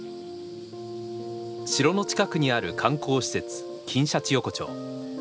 城の近くにある観光施設金シャチ横丁。